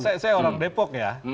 saya orang depok ya